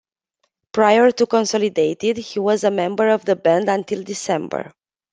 Prior to Consolidated, he was a member of the band Until December.